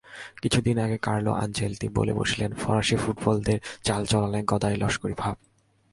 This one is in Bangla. কিছুদিন আগে কার্লো আনচেলত্তি বলে বসলেন, ফরাসি ফুটবলারদের চালচলনে গদাই লস্করি ভাব।